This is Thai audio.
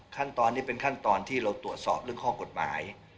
ขั้นตอนนี้เป็นขั้นตอนที่เราตรวจสอบเรื่องข้อกฎหมาย